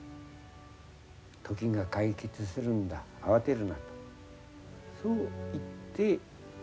「時が解決するんだ慌てるな」とそう言って。